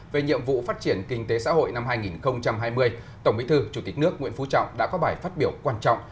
về nhiệm vụ phát triển kinh tế xã hội năm hai nghìn hai mươi tổng bí thư chủ tịch nước nguyễn phú trọng đã có bài phát biểu quan trọng